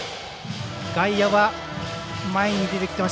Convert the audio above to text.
外野は前に出てきています。